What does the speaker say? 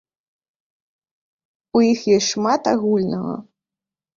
У іх ёсць шмат агульнага.